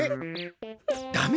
ダメ？